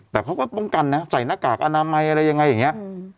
แต่เขาก็ป้องกันนะใส่หน้ากากอนามัยอะไรยังไงอย่างนี้